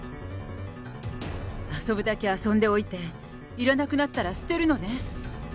遊ぶだけ遊んでおいて、いらなくなったら捨てるのね。